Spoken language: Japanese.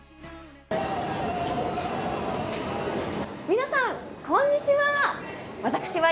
皆さんこんにちは！